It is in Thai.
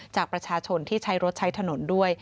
จากประชาชนที่ใช้รถใช้ถนนด้วย